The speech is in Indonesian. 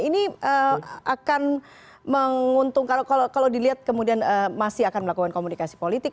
ini akan menguntung kalau dilihat kemudian masih akan melakukan komunikasi politik